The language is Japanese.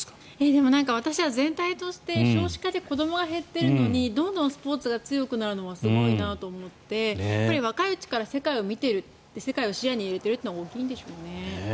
でも、私は全体として少子化で子どもが減っているのにどんどんスポーツが強くなるのがすごいなと思って若いうちから世界を見ている世界を視野に入れてるのが大きいんでしょうね。